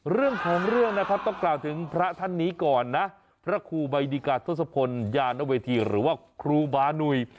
เรื่องของเรื่องนะครับต้องกล่าวถึงพระท่านนี้ก่อนนะพระครูใบดิกาทศพลยานเวทีหรือว่าครูบานุ่ย